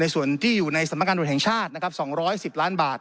ส่วนที่อยู่ในสรรพาการโดยแข่งชาติ๒๑๐ล้านบาท